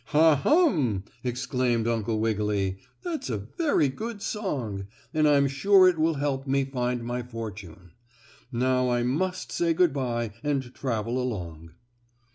"Ha! hum!" exclaimed Uncle Wiggily. "That's a very good song, and I'm sure it will help me find my fortune. Now I must say good by and travel along."